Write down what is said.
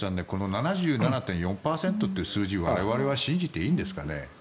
この７７．４％という数字を我々は信じていいんですかね。